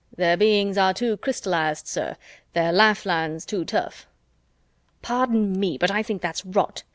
Their beings are too crystallized, sir, their lifelines too tough." "Pardon me, but I think that's rot.